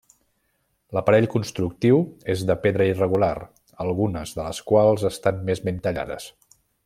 L'aparell constructiu és de pedra irregular, algunes de les quals estan més ben tallades.